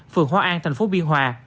phường hóa an tp biên hòa